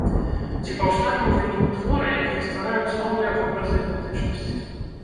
Ці паўсталі ў выніку творы, якія ствараюць новыя вобразы ідэнтычнасці?